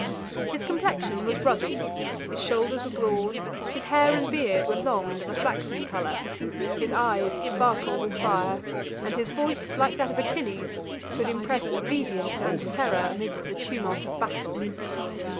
His complexion was ruddy, his shoulders were broad, his hair and beard were long and of a flaxen color, his eyes sparkled with fire, and his voice, like that of Achilles, could impress obedience and terror amidst the tumult of battle.